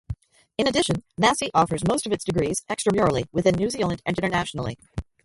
In addition, Massey offers most of its degrees extramurally within New Zealand and internationally.